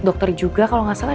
dokter juga kalau nggak salah